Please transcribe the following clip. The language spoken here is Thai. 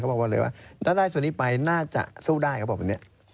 บอกเลยว่าเลยว่าถ้าได้ส่วนนี้ไปน่าจะสู้ได้เขาบอกแบบนี้